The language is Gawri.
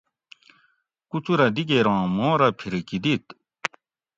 کُچور اۤ دیگیروں مُوں رہ پھریکہ دِت